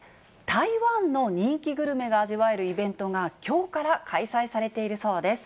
台湾の人気グルメが味わえるイベントが、きょうから開催されているそうです。